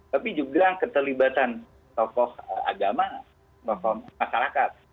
tapi juga keterlibatan tokoh agama tokoh masyarakat